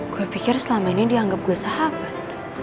gue pikir selama ini dianggap gue sahabat